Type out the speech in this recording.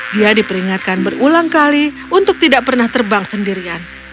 dia diperingatkan berulang kali untuk tidak pernah terbang sendirian